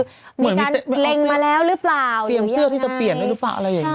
เหมือนมีเต๊ะเล็งมาแล้วหรือเปล่าหรือยังไง